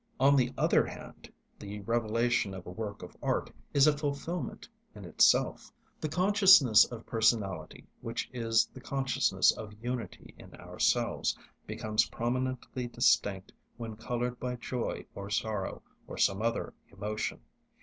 On the other hand, the revelation of a work of art is a fulfilment in itself. The consciousness of personality, which is the consciousness of unity in ourselves, becomes prominently distinct when coloured by joy or sorrow, or some other emotion.